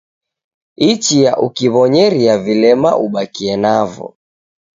Ichia ukiw'onyeria vilema ubakie navo